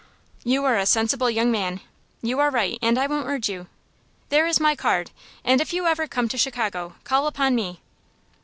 "You are a sensible young man. You are right, and I won't urge you. There is my card, and if you ever come to Chicago, call upon me."